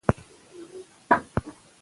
مقالې باید لنډه خلاصه هم ولري.